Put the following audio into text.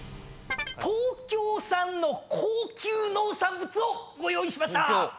東京産の高級農産物をご用意しました！